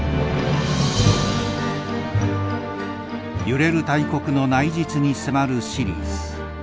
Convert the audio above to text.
揺れる大国の内実に迫るシリーズ。